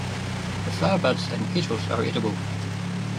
The flower buds and petals are edible.